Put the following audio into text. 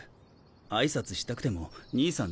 挨拶したくても兄さん